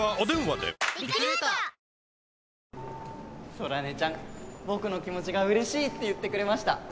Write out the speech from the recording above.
空音ちゃん僕の気持ちがうれしいって言ってくれました